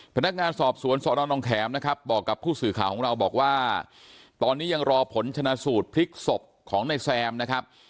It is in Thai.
พนักงานสอบสวนสนองแขมนะครับบอกกับผู้สื่อข่าวของเราบอกว่าตอนนี้ยังรอผลชนะสูตรพลิกศพของนายแซมนะครับ